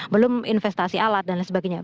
belum investasi alat dan lain sebagainya